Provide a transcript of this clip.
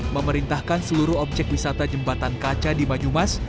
memerintahkan seluruh objek wisata jembatan kaca di banyumas